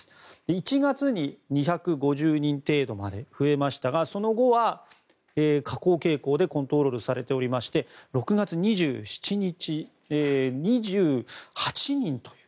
１月に２５０人程度まで増えましたがその後は下降傾向でコントロールされておりまして６月２７日、２８人という。